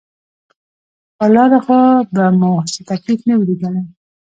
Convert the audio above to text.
پر لاره خو به مو څه تکليف نه وي ليدلى.